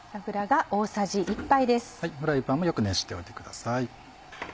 フライパンもよく熱しておいてください。